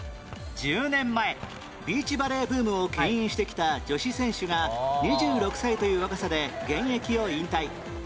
１０年前ビーチバレーブームを牽引してきた女子選手が２６歳という若さで現役を引退